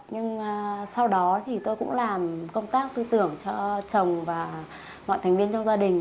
nhưng sau đó thì tôi cũng làm công tác tư tưởng cho chồng và mọi thành viên trong gia đình